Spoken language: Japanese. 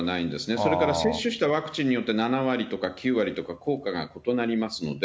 それから接種したワクチンによって、７割とか９割とか効果が異なりますので。